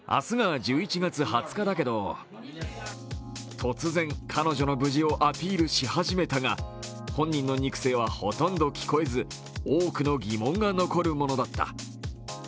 突然、彼女の無事をアピールし始めたが本人の肉声はほとんど聞こえず、多くの疑問が残るものだった。